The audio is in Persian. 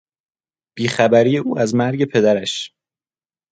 بیخبری او از مرگ پدرش